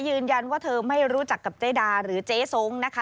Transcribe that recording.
ยืนยันว่าเธอไม่รู้จักกับเจ๊ดาหรือเจ๊ส้งนะคะ